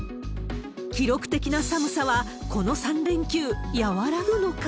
記録的な寒さは、この３連休、和らぐのか。